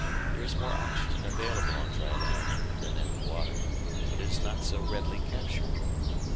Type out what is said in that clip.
There is more oxygen available on dry land than in the water, but it is not so readily captured.